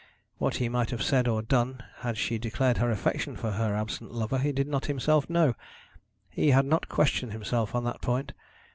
What he might have said or done had she declared her affection for her absent lover, he did not himself know. He had not questioned himself on that point.